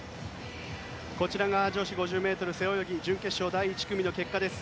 こちらが女子５０ｍ背泳ぎ準決勝第１組の結果です。